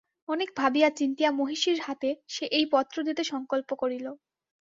অনেক ভাবিয়া চিন্তিয়া মহিষীর হাতে সে এই পত্র দিতে সংকল্প করিল।